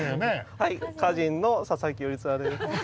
はい歌人の佐佐木頼綱です。